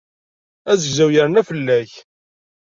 Azegzaw yerna fell-ak.